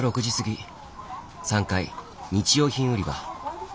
３階日用品売り場。